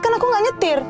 kan aku gak nyetir